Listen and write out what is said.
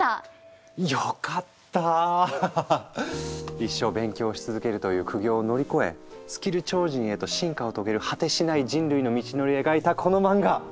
一生勉強し続けるという苦行を乗り越えスキル超人へと進化を遂げる果てしない人類の道のりを描いたこの漫画！